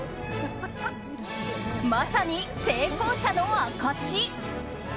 まさに成功者の証！